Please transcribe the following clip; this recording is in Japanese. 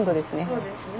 そうですね。